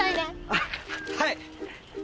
あっはい！